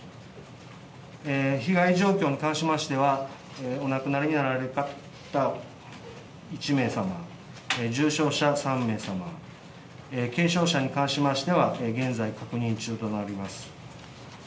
被害状況に関しましては、お亡くなりになられた方、１名様、重傷者３名様、軽傷者に関しましては現在、確認中となります。